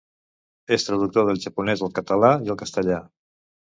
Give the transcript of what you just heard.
És traductor del japonès al català i al castellà.